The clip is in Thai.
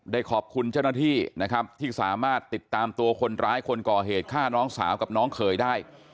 ขอบคุณเจ้าหน้าที่นะครับที่สามารถติดตามตัวคนร้ายคนก่อเหตุฆ่าน้องสาวกับน้องเขยได้